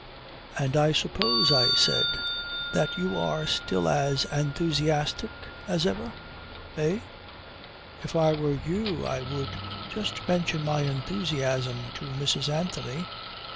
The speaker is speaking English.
"And I suppose," I said, "that you are still as 'enthusiastic' as ever. Eh? If I were you I would just mention my enthusiasm to Mrs. Anthony.